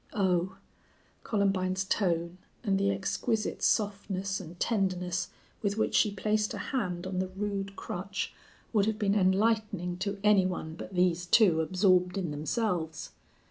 "Oh!" Columbine's tone, and the exquisite softness and tenderness with which she placed a hand on the rude crutch would have been enlightening to any one but these two absorbed in themselves.